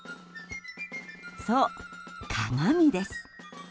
そう、鏡です。